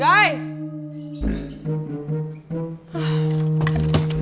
gak dibutuhin aja